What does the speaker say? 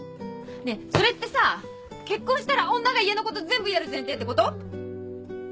ねえそれってさ結婚したら女が家のこと全部やる前提ってこと？